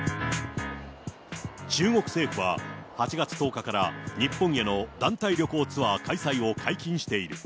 中国政府は、８月１０日から日本への団体旅行ツアー開催を解禁している。